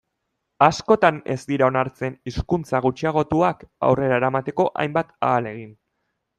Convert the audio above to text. Askotan ez dira onartzen hizkuntza gutxiagotuak aurrera eramateko hainbat ahalegin.